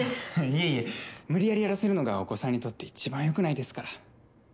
いえいえ無理やりやらせるのがお子さんにとって一番良くないですから。